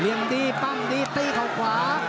เลี่ยงดีปั้งดีตีเขาขวา